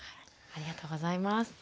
ありがとうございます。